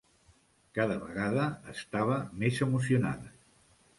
Cada vegada estava més emocionada.